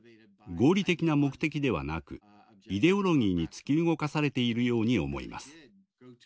合理的な目的ではなくイデオロギーに突き動かされているように思います。